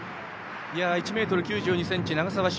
１ｍ９２ｃｍ、長沢駿